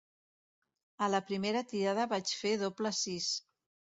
A la primera tirada vaig fer doble sis.